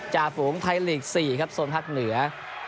จ่าฝูงไทยลีกส์๔ครับโซนภัทรเหนือ